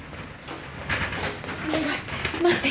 お願い待って。